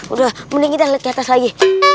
udah mending kita lihat ke atas lagi